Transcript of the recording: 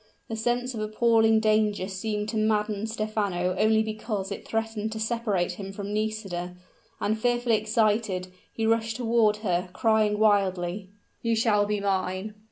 The sense of appalling danger seemed to madden Stephano only because it threatened to separate him from Nisida; and, fearfully excited, he rushed toward her, crying wildly, "You shall be mine!"